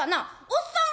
「おっさん？